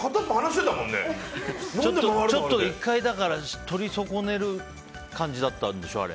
ちょっと１回取り損ねる感じだったんでしょ、あれ。